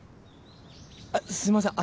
あっすいません